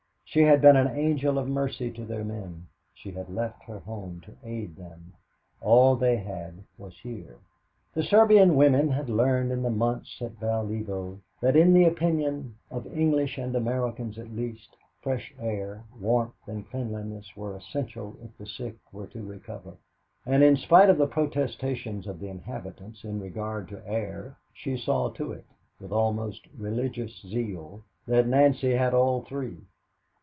She had been an angel of mercy to their men; she had left her home to aid them all they had was here. The Serbian woman had learned in the months at Valievo that in the opinion of English and Americans at least, fresh air, warmth and cleanliness were essential if the sick were to recover, and in spite of the protestations of the inhabitants in regard to air she saw to it, with almost religious zeal, that Nancy had all three.